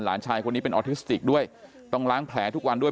หลานชายคนนี้เป็นออทิสติกด้วยต้องล้างแผลทุกวันด้วย